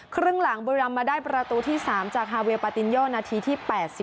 ครึ่งหลังบุรีรำมาได้ประตูที่๓จากฮาเวลปาตินโยนาทีที่๘๐